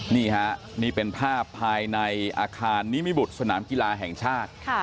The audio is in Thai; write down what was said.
นี่ฮะนี่เป็นภาพภายในอาคารนิมิบุตรสนามกีฬาแห่งชาติ